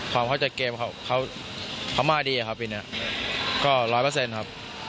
ความเข้าใจเกมเขามาดีครับปีนี้ก็ร้อยเปอร์เซ็นต์ครับ